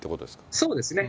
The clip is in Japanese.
そうですね。